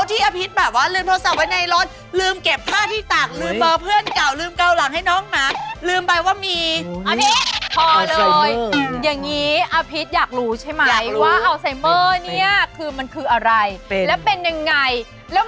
ดีออาพิธฯพอเลยอย่างนี้อาพิธฯอยากรู้ใช่ไหมว่าอัลไซม่อลเนี่ยขึ้นมันคืออะไรเป็นแล